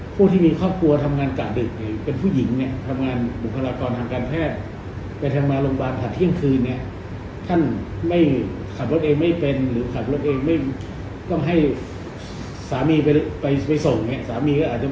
เนี่ยขัดเวลาเองไม่เป็นหรือขัดเวลาเองไม่ต้องให้ซามีไปไปส่งเนี่ย